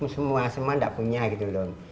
semua semua tidak punya gitu loh